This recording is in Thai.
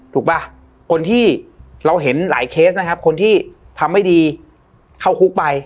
ป่ะคนที่เราเห็นหลายเคสนะครับคนที่ทำไม่ดีเข้าคุกไป